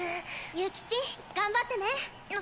諭吉頑張ってね。